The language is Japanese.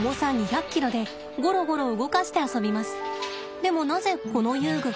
でもなぜこの遊具が？